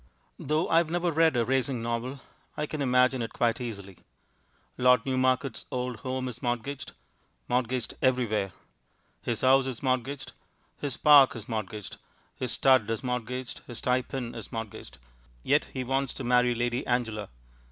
Though I have never read a racing novel, I can imagine it quite easily. Lord Newmarket's old home is mortgaged, mortgaged everywhere. His house is mortgaged, his park is mortgaged, his stud is mortgaged, his tie pin is mortgaged; yet he wants to marry Lady Angela.